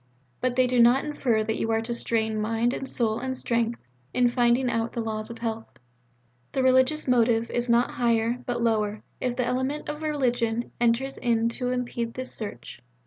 But they do not infer that you are to strain mind and soul and strength in finding out the laws of health. The religious motive is not higher, but lower, if the element of religion enters in to impede this search.